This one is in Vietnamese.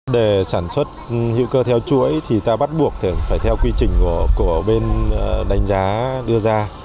để sản xuất hữu cơ theo chuỗi thì ta bắt buộc phải theo quy trình của bên đánh giá đưa ra